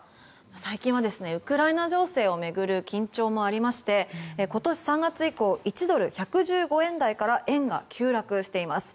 最近はウクライナ情勢を巡る緊張もありまして今年３月以降１ドル＝１１５円台から円が急落しています。